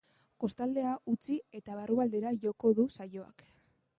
Kostaldea utzi eta barrualdera joko du saioak.